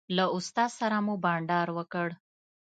له استاد سره مو بانډار وکړ.